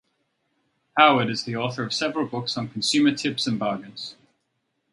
Howard is the author of several books on consumer tips and bargains.